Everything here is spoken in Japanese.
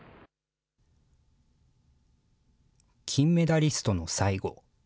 金メダリストの最期。